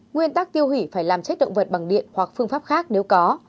nguyên tắc tiêu hủy phải làm chết động vật bằng điện hoặc phương pháp khác nếu có